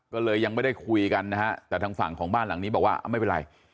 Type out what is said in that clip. ก็เลยยังไม่ได้คุยกันนะฮะแต่ทางฝั่งของบ้านหลังนี้บอกว่าไม่เป็นไร